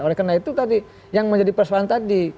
oleh karena itu tadi yang menjadi persoalan tadi